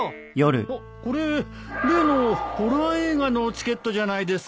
あっこれ例のホラー映画のチケットじゃないですか。